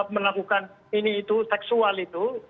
melakukan ini itu seksual itu